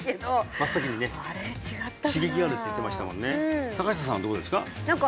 真っ先にね刺激があるって言ってましたもんね坂下さんはどうですか？